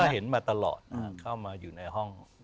เห็นมาตลอดเข้ามาอยู่ในห้อง